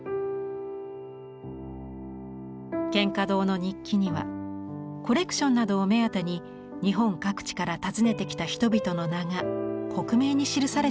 蒹葭堂の日記にはコレクションなどを目当てに日本各地から訪ねてきた人々の名が克明に記されています。